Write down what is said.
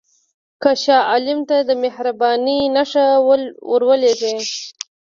که شاه عالم ته د مهربانۍ نښه ورولېږې.